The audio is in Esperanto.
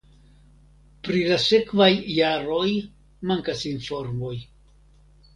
Pri la sekvaj jaroj mankas informoj.